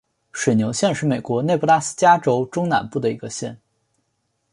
水牛县是美国内布拉斯加州中南部的一个县。